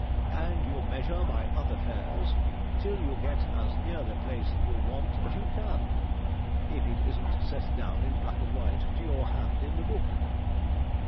And you measure by other fares till you get as near the place you want as you can, if it isn't set down in black and white to your hand in the book.'